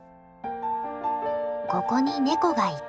ここにネコがいた。